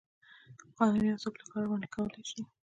قانون یو څوک له کار منع کولی شي.